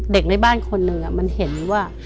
ในบ้านคนหนึ่งมันเห็นว่า